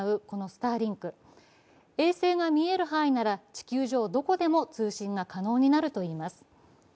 このスターリンク、衛星が見える範囲なら地球上、どこでも通信が可能になるといいます。